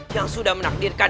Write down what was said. yang sudah menakdirkan